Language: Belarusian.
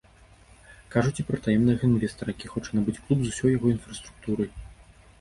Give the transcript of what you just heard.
Кажуць і пра таемнага інвестара, які хоча набыць клуб з усёй яго інфраструктурай.